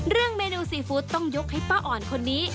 เมนูซีฟู้ดต้องยกให้ป้าอ่อนคนนี้